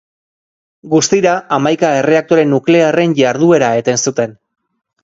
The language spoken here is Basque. Guztira, hamaika erreaktore nuklearren jarduera eten zuten.